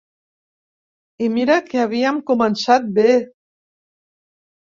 I mira que havíem començat bé!